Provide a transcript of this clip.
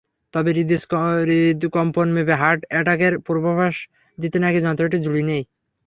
তবে হৃৎকম্পন মেপে হার্ট অ্যাটাকের পূর্বাভাস দিতে নাকি যন্ত্রটির জুড়ি নেই।